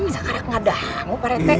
sekarang ada apa pak rete